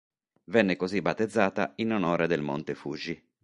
Venne così battezzata in onore del monte Fuji.